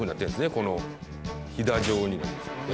このひだ状に。